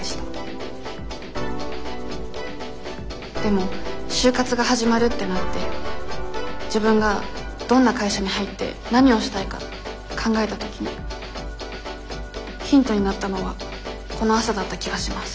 でも就活が始まるってなって自分がどんな会社に入って何をしたいか考えた時にヒントになったのはこの朝だった気がします。